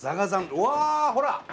うわほら！